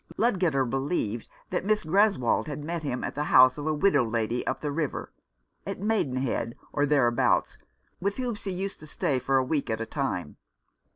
Ludgater believed that Miss Greswold had met him at the house of a widow lady up the river, at Maidenhead or there abouts, with whom she used to stay for a week at a time.